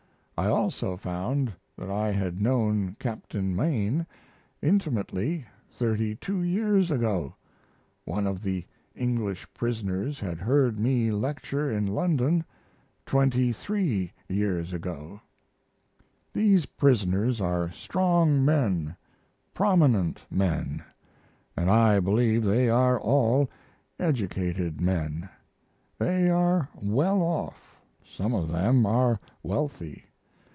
I also found that I had known Captain Mein intimately 32 years ago. One of the English prisoners had heard me lecture in London 23 years ago.... These prisoners are strong men, prominent men, & I believe they are all educated men. They are well off; some of them are wealthy.